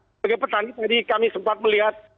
sebagai petani tadi kami sempat melihat